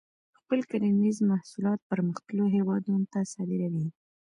خپل کرنیز محصولات پرمختللو هیوادونو ته صادروي.